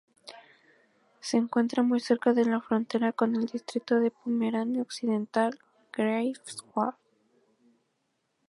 Se encuentra muy cerca de la frontera con el distrito de Pomerania Occidental-Greifswald.